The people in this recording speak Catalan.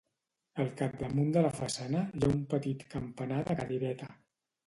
Al capdamunt de la façana hi ha un petit campanar de cadireta.